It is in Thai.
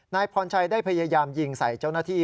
นายพรชัยได้พยายามยิงใส่เจ้าหน้าที่